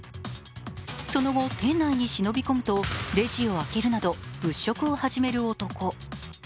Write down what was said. その後、店内に忍び込むと、レジを開けるなど物色を始める男。